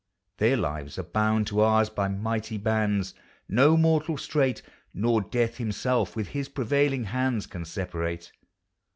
Their lives are bound to ours by mighty bands No mortal strait. Nor Death himself, with his prevailing hands, Can separate.